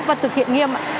và thực hiện nghiêm ạ